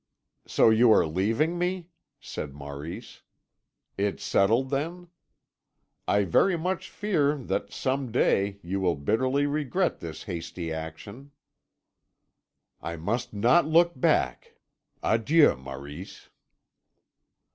"So you are leaving me," said Maurice. "It's settled, then? I very much fear that, some day, you will bitterly regret this hasty action." "I must not look back. Adieu, Maurice."